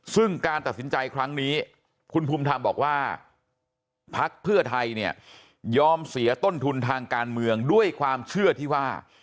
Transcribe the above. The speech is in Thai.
ซึ่งการตัดสินใจครั้งนี้คุณภูมิธรรมบอกว่าพักเพื่อไทยเนี่ยยอมเสียต้นทุนทางการเมืองด้วยความเชื่อที่ว่า